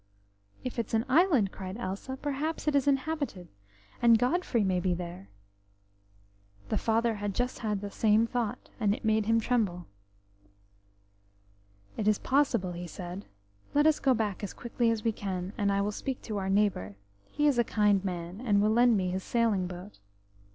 "If it's an island," cried Elsa, "perhaps it is inhabited, and Godfrey may be there." The father had just the same thought, and it made him tremble. "It is possible," he said. "Let us go back as quickly as we can, and I will speak to our neighbour. He is a kind man, and will lend me his sailing boat."